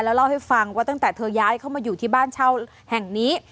เล่าให้ฟังว่าตั้งแต่เธอย้ายเข้ามาอยู่ที่บ้านเช่าแห่งนี้